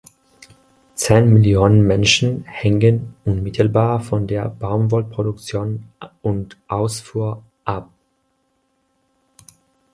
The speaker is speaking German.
Zehn Millionen Menschen hängen unmittelbar von der Baumwollproduktion und -ausfuhr ab.